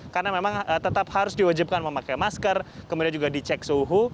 karena memang tetap harus diwajibkan memakai masker kemudian juga dicek suhu